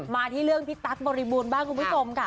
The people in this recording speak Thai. มาที่เรื่องพี่ตั๊กบริบูรณ์บ้างคุณผู้ชมค่ะ